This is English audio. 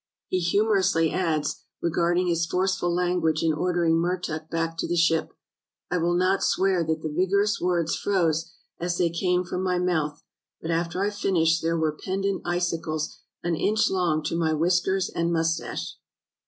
He humorously adds regarding his forceful language in ordering Mertuk back to the ship: 'T will not swear that the vigorous words froze as they came from my mouth, but after I finished there were pendant icicles an inch long to my whiskers and mustache.